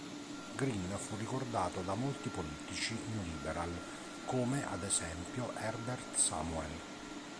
Green fu ricordato da molti politici "New Liberal", come ad esempio Herbert Samuel.